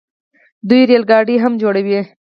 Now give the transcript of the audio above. دوی ریل ګاډي هم جوړوي.